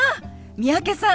三宅さん